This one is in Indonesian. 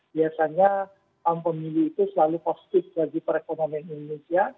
biasanya tahun pemilih itu selalu positif bagi perekonomian indonesia